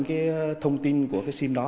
cái thông tin của cái sim đó